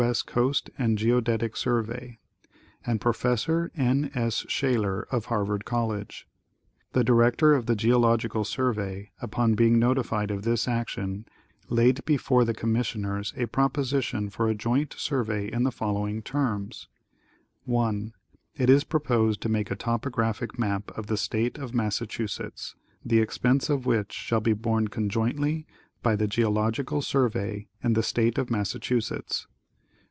S. Coast and Geodetic Survey and Prof. IST. S. Shaler of Harvard College. The Director of the Geological Survey, upon being notified of this action, laid before the commissioners a proposition for a joint survey in the following terms : 1. It is proposed to make a topographic map of the State of Massachusetts, the expense of which shall be borne conjointly by the Geological Survey and the State of Massachusetts.